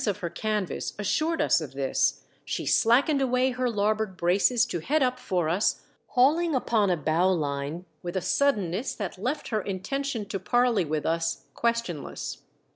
of her canvas assured us of this, she slackened away her larboard braces to head up for us, hauling upon a bowline with a suddenness that left her intention to parley with us questionless.